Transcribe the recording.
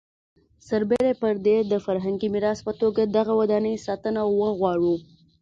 سربېره پر دې د فرهنګي میراث په توګه دغه ودانۍ ساتنه وغواړو.